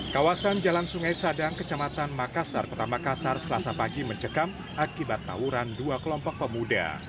kawasan jalan sungai sadang kecamatan makassar kota makassar selasa pagi mencekam akibat tawuran dua kelompok pemuda